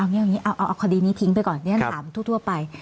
เอาคดีนี้ทิ้งไปก่อนเรียนถามทั่วไป